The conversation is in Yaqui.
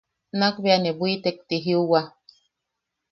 Nakbea ne bwitek ti jiuwa.